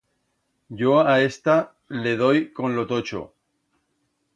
Yo a esta le doi con lo tocho.